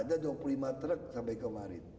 ada dua puluh lima truk sampai kemarin